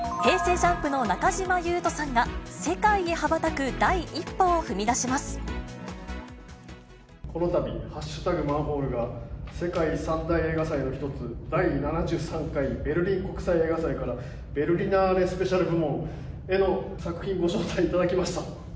ＪＵＭＰの中島裕翔さんが、世界へ羽ばたく第一このたび、＃マンホールが、世界三大映画祭の一つ、第７３回ベルリン国際映画祭から、ベルリナーレ・スペシャル部門への作品、ご招待いただきました！